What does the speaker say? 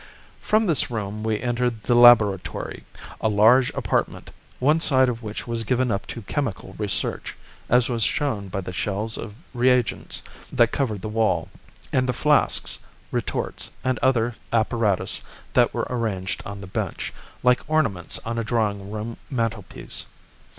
From this room we entered the laboratory, a large apartment, one side of which was given up to chemical research, as was shown by the shelves of reagents that covered the wall, and the flasks, retorts and other apparatus that were arranged on the bench, like ornaments on a drawing room mantelpiece.